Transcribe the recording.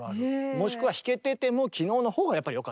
もしくは弾けててもきのうのほうがやっぱり良かったとか。